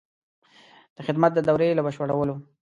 د خدمت د دورې له بشپړولو.